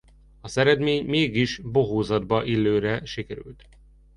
Az eredmény mégis bohózatba illőre sikerült.